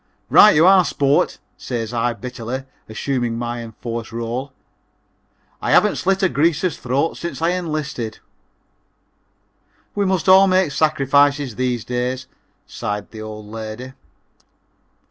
"Right you are, sport," says I bitterly, assuming my enforced role, "I haven't slit a Greaser's throat since I enlisted." "We must all make sacrifices these days," sighed the old lady.